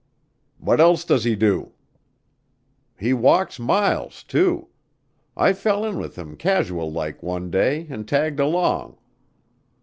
"What else does he do?" "He walks miles, too. I fell in with him casual like one day and tagged along.